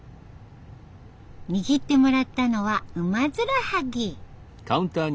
握ってもらったのはウマヅラハギ。